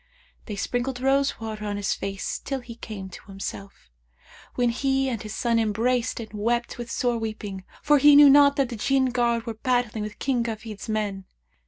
They sprinkled rose water on his face, till he came to himself, when he and his son embraced and wept with sore weeping; for he knew not that the Jinn guard were battling with King Kafid's men.